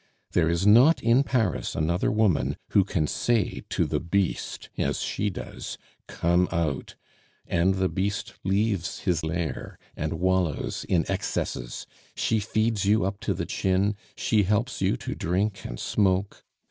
There is not in Paris another woman who can say to the beast as she does: 'Come out!' And the beast leaves his lair and wallows in excesses. She feeds you up to the chin, she helps you to drink and smoke.